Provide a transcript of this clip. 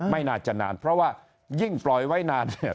ไม่น่าจะนานเพราะว่ายิ่งปล่อยไว้นานเนี่ย